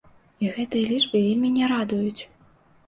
І гэтыя лічбы вельмі не радуюць.